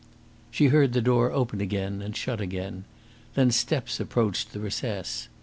She heard the door open again and shut again. Then steps approached the recess.